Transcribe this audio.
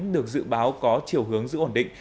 được dự báo có chiều hướng giữ ổn định